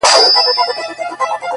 • زما خبري خدايه بيرته راکه ـ